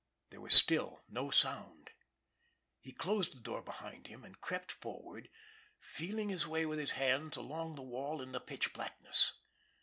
There was still no sound. He closed the door behind him, and crept forward, feeling his way with his hands along the wall in the pitch blackness.